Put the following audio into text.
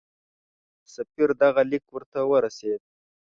سفیر دغه لیک ورته ورسېد.